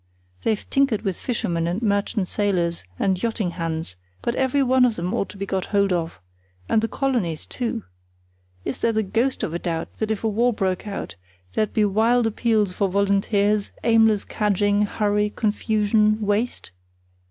They've tinkered with fishermen, and merchant sailors, and yachting hands, but everyone of them ought to be got hold of; and the colonies, too. Is there the ghost of a doubt that if war broke out there'd be wild appeals for volunteers, aimless cadging, hurry, confusion, waste?